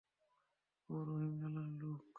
ও রহিম লালার লোক।